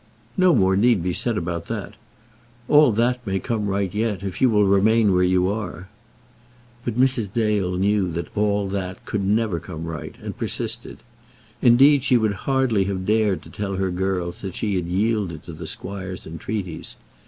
"No more need be said about that. All that may come right yet, if you will remain where you are." But Mrs. Dale knew that "all that" could never come right, and persisted. Indeed, she would hardly have dared to tell her girls that she had yielded to the squire's entreaties.